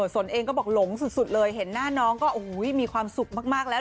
สนเองก็บอกหลงสุดเลยเห็นหน้าน้องก็มีความสุขมากแล้ว